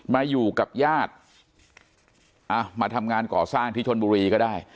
มาอยู่กับญาติเอามาทำงานก่อสร้างที่ชนบุรีก็ได้